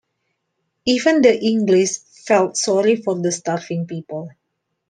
Even the English felt sorry for the starving people.